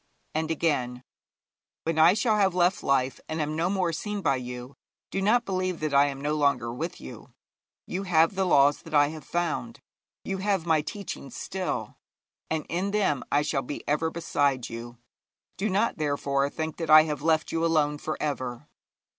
And again: 'When I shall have left life and am no more seen by you, do not believe that I am no longer with you. You have the laws that I have found, you have my teachings still, and in them I shall be ever beside you. Do not, therefore, think that I have left you alone for ever.'